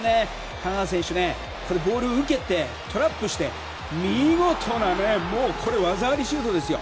香川選手、ボールを受けてトラップして見事な技ありシュートですよ！